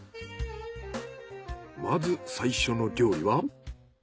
まず最初の料理は？